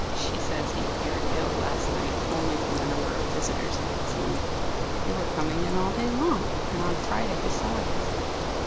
"She says he appeared ill last night only from the number of visitors he had seen. They were coming in all day long; and on Friday besides."